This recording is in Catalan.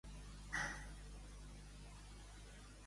La seu del cantó és a Sant Llorenç de la Salanca.